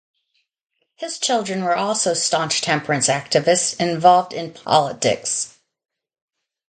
His children were also staunch temperance activists and involved in politics.